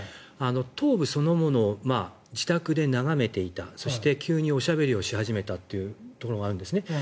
頭部そのものを自宅で眺めていたそして急におしゃべりをし始めたというところがあるんですね。